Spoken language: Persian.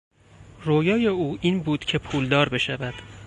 رویای او این بود که پولدار بشود.